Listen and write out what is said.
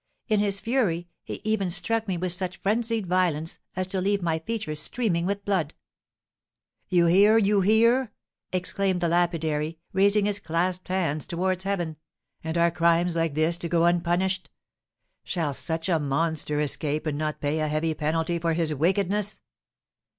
In his fury he even struck me with such frenzied violence as to leave my features streaming with blood." "You hear! you hear!" exclaimed the lapidary, raising his clasped hands towards heaven, "and are crimes like this to go unpunished? Shall such a monster escape and not pay a heavy penalty for his wickedness?"